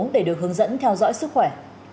để được hướng dẫn theo dõi sức khỏe